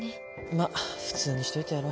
まっ普通にしといてやろ。